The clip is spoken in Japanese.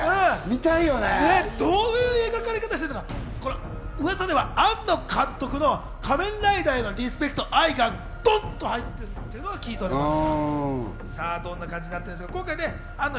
どういう描かれ方をしてるのか、庵野監督の『仮面ライダー』へのリスペクト、愛がドンっと入っているというのは聞いております。